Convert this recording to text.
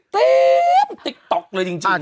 เข้มติ็กต๊อกเลยจริง